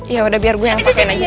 ya udah biar gue yang